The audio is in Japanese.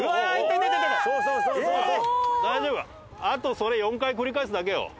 あとそれ４回繰り返すだけよ。